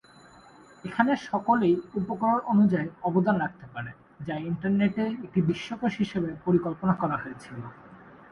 এখানে সকলেই উপকরণ অনুযায়ী অবদান রাখতে পারে, যা ইন্টারনেটে একটি বিশ্বকোষ হিসাবে পরিকল্পনা করা হয়েছিল।